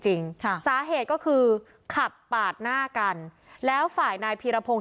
จริงค่ะสาเหตุก็คือขับปาดหน้ากันแล้วฝ่ายนายพีรพงศ์